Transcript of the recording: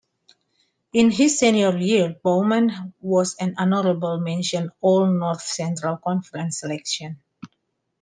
In his senior year, Bouman was an honorable mention All-North Central Conference selection.